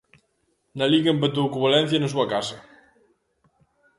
Na Liga empatou co Valencia na súa casa.